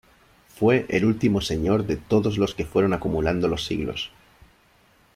Fue el último señor de todos los que fueron acumulando los siglos.